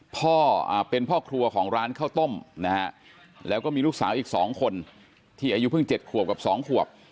พ่อเป็นพ่อครัวของร้านข้าวต้มนะฮะแล้วก็มีลูกสาวอีก๒คนที่อายุเพิ่ง๗ขวบกับ๒ขวบ